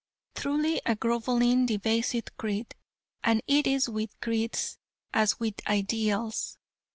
Truly a grovelling, debasing creed. And it is with creeds as with ideals.